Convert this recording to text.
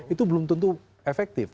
itu belum tentu efektif